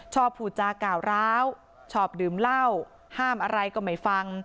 พูดจาก่าวร้าวชอบดื่มเหล้าห้ามอะไรก็ไม่ฟัง